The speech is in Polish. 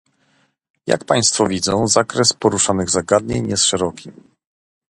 Jak państwo widzą, zakres poruszanych zagadnień jest szeroki